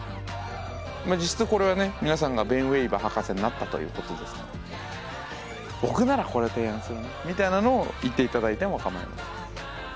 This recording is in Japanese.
実質これはね皆さんがベン・ウェイバー博士になったということですから僕ならこれを提案するなみたいなのを言って頂いてもかまいません。